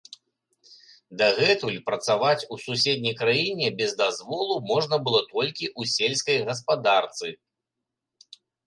Дагэтуль працаваць у суседняй краіне без дазволу можна было толькі ў сельскай гаспадарцы.